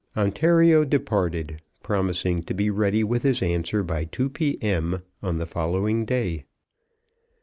Ontario departed, promising to be ready with his answer by 2 P.M. on the following day.